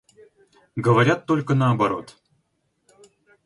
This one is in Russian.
Говорят только наоборот.